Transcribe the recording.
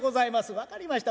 分かりました。